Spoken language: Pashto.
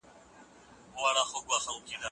هغې پرون غاښونه په بیړه برس کول.